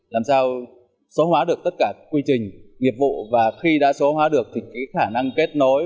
làm sao số hóa được tất cả quy trình nghiệp vụ và khi đã số hóa được thì cái khả năng kết nối